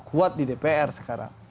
kuat di dpr sekarang